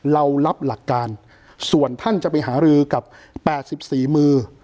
เรารับหลักการส่วนท่านจะไปหารือกับ๘๔มือ